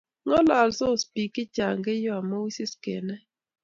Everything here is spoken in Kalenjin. Ngololsoot biik che chang Keiyo amuu wisis kenai